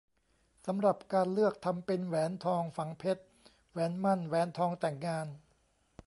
สำหรับการเลือกทำเป็นแหวนทองฝังเพชร แหวนหมั้น แหวนทองแต่งงาน